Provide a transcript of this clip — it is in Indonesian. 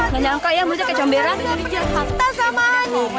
nganjangka ya mulutnya kayak comberan